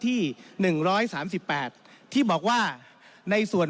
ท่านประธานก็เป็นสอสอมาหลายสมัย